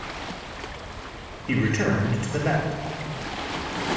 He returned to the Met.